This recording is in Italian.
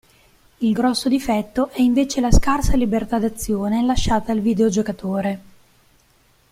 Il grosso difetto è invece la scarsa libertà d'azione lasciata al videogiocatore.